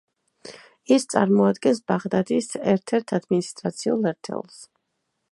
ის წარმოადგენს ბაღდადის ერთ-ერთ ადმინისტრაციულ ერთეულს.